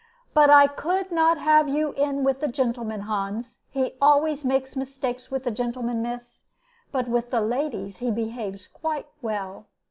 "But I could not have you in with the gentleman, Hans. He always makes mistakes with the gentlemen, miss, but with the ladies he behaves quite well."